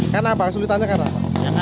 karena apa sulit tanya karena apa